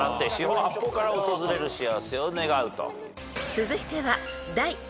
［続いては］